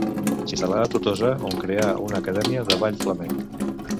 S'instal·là a Tolosa, on creà una acadèmia de ball flamenc.